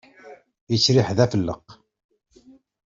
Yettriḥ-d d afelleq.